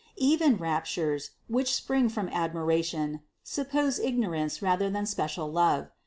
Even raptures, which spring from admiration, suppose ignorance rather than special love.